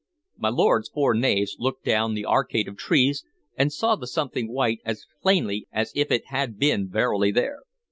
My lord's four knaves looked down the arcade of trees, and saw the something white as plainly as if it had been verily there.